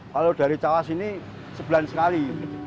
kalau dari cawas ini sebulan sekali